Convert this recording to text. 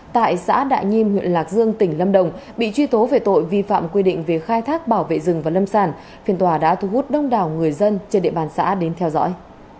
tại xã đại nhiêm huyện lạc dương tỉnh lâm đồng bị truy tố về tội vi phạm quy định về khai thác bảo vệ rừng và lâm sản phiên tòa đã thu hút đông đảo người dân trên địa bàn xã đến theo dõi